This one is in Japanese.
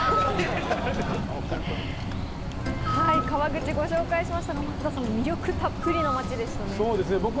川口をご紹介しましたが、魅力たっぷりの街でしたね。